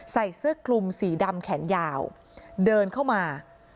ใส่เสื้อคลุมสีดำแขนยาวเดินเข้ามา